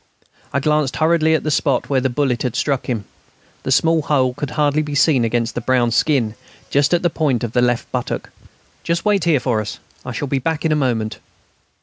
I glanced hurriedly at the spot where the bullet had struck him. The small hole could hardly be seen against the brown skin, just at the point of the left buttock. "Just wait here for us; I shall be back in a moment."